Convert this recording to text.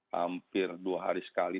hampir dua hari sekali